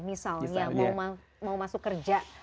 misalnya mau masuk kerja